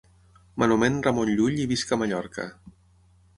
M'anomèn Ramon Llull i visc a Mallorca.